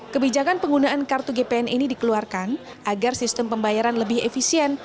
kebijakan penggunaan kartu gpn ini dikeluarkan agar sistem pembayaran lebih efisien